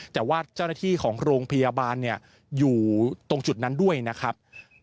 แต่ว่าเจ้าหน้าที่ของโรงพยาบาลอยู่ตรงจุดนั้นด้วยนะครับ